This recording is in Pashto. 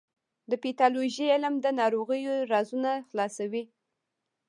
د پیتالوژي علم د ناروغیو رازونه خلاصوي.